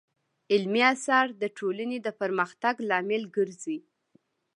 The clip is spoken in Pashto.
علمي اثار د ټولنې د پرمختګ لامل ګرځي.